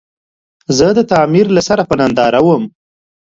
زه د تعمير له سره په ننداره ووم.